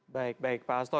baik baik pak asto